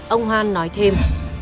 ông hoan nói thêm